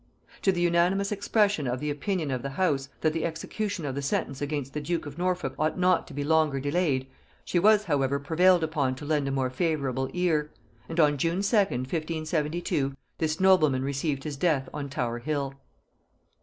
To the unanimous expression of the opinion of the house, that the execution of the sentence against the duke of Norfolk ought not to be longer delayed, she was however prevailed upon to lend a more favorable ear; and on June 2d, 1572, this nobleman received his death on Tower hill.